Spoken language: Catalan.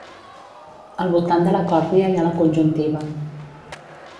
Al voltant de la còrnia hi ha la conjuntiva.